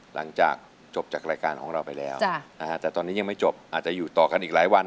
หลังจากจบจากรายการของเราไปแล้วแต่ตอนนี้ยังไม่จบอาจจะอยู่ต่อกันอีกหลายวัน